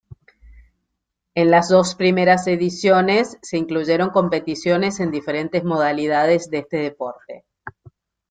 En las dos primeras ediciones se incluyeron competiciones en diferentes modalidades de este deporte.